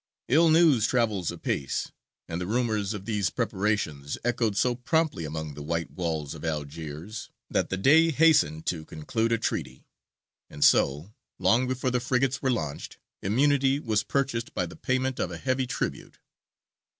Ill news travels apace, and the rumours of these preparations echoed so promptly among the white walls of Algiers, that the Dey hastened to conclude a treaty; and so, long before the frigates were launched, immunity was purchased by the payment of a heavy tribute.